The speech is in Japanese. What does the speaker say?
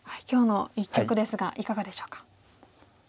今日の一局ですがいかがでしょうか？